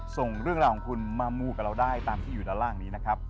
ส่งเรื่องราวของคุณมามูกับเราได้ตามที่อยู่ด้านล่างนี้นะครับ